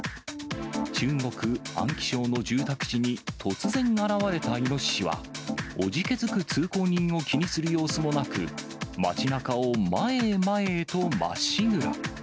中国・安徽省の住宅地に、突然現れたイノシシは、おじけづく通行人を気にする様子もなく、街なかを前へ前へとまっしぐら。